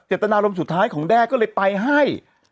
ตนารมณ์สุดท้ายของแด้ก็เลยไปให้